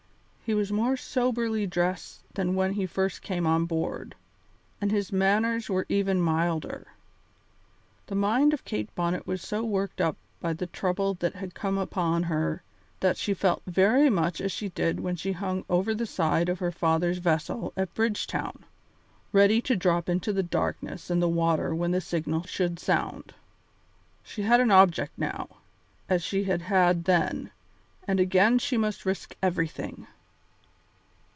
He was more soberly dressed than when he first came on board, and his manners were even milder. The mind of Kate Bonnet was so worked up by the trouble that had come upon her that she felt very much as she did when she hung over the side of her father's vessel at Bridgetown, ready to drop into the darkness and the water when the signal should sound. She had an object now, as she had had then, and again she must risk everything.